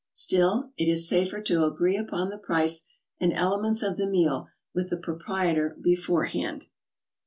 Still, it is safer to agree upon the price and elements of the meal with the pro prietor beforehand.